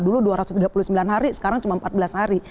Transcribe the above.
dulu dua ratus tiga puluh sembilan hari sekarang cuma empat belas hari